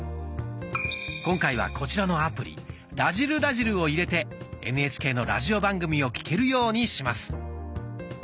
今回はこちらのアプリ「らじる★らじる」を入れてＮＨＫのラジオ番組を聴けるようにします。